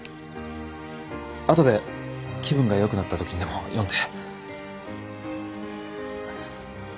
後で気分がよくなった時にでも読んで。